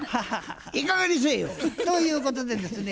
いいかげんにせえよ！ということでですね